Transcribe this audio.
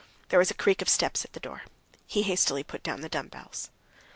There was a creak of steps at the door. He hastily put down the dumbbells.